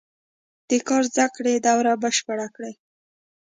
د کار زده کړې دوره بشپړه کړي.